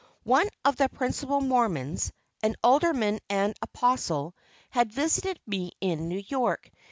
One of the principal Mormons, an Alderman and an Apostle, had visited me in New York.